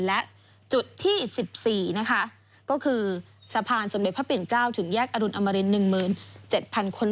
และจุดที่๑๔นะคะก็คือสะพานสมเด็จพระปิ่น๙ถึงแยกอรุณอมริน๑๗๐๐คน